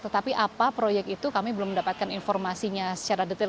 tetapi apa proyek itu kami belum mendapatkan informasinya secara detail